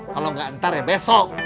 kalau nggak ntar ya besok